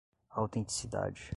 autenticidade